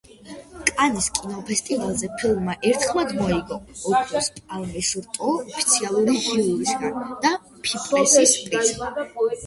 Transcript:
კანის კინოფესტივალზე, ფილმმა ერთხმად მოიგო ოქროს პალმის რტო ოფიციალური ჟიურისგან და ფიპრესის პრიზი.